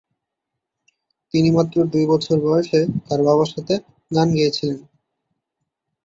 তিনি মাত্র দুই বছর বয়সে তার বাবার সাথে গান গেয়েছিলেন।